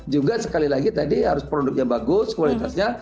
juga sekali lagi tadi harus produknya bagus kualitasnya